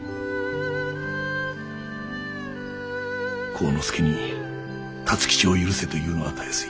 晃之助に辰吉を許せと言うのはたやすい。